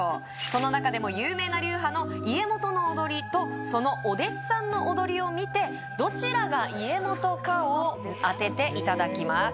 その中でも有名な流派の家元の踊りとそのお弟子さんの踊りを見てどちらが家元かを当てていただきます